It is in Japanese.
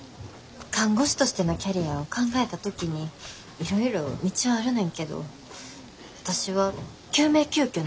看護師としてのキャリアを考えた時にいろいろ道はあるねんけど私は救命救急の看護を極めたい。